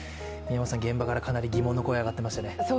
現場からかなり疑問の声が上がっていましたね。